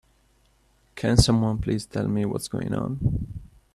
Can someone please tell me what's going on?